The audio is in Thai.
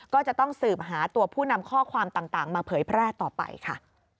ก็จะต้องสืบหาตัวผู้นำข้อความต่างมาเผยแพร่ต่อไปค่ะ